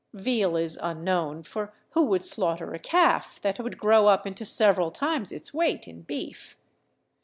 Veal is unknown, for who would slaughter a calf that would grow up into several times its weight in beef